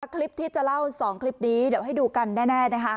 คลิปที่จะเล่า๒คลิปนี้เดี๋ยวให้ดูกันแน่นะคะ